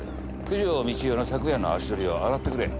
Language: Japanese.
九条美千代の昨夜の足取りを洗ってくれ。